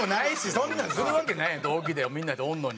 そんなんするわけないやん同期でみんなでおるのに。